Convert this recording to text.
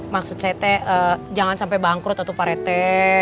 maksud saya teh jangan sampai bangkrut atau pak rete